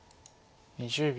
２０秒。